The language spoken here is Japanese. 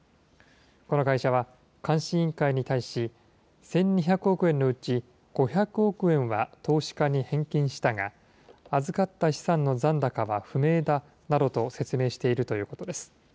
この会社は監視委員会に対し、１２００億円のうち、５００億円は投資家に返金したが、預かった資産の残高は不明だなどと説明しているということです。